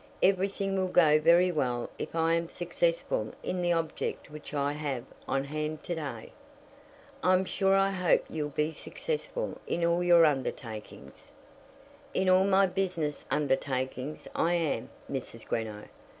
Everything will go very well if I am successful in the object which I have on hand to day." "I'm sure I hope you'll be successful in all your undertakings." "In all my business undertakings I am, Mrs. Greenow.